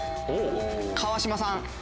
川島さん。